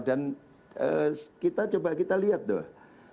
dan kita coba kita lihat tuh